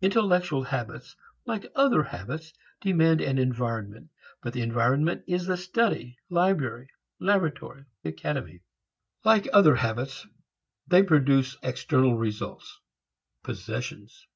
Intellectual habits like other habits demand an environment, but the environment is the study, library, laboratory and academy. Like other habits they produce external results, possessions.